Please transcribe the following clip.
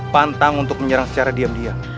pantang untuk menyerang secara diam diam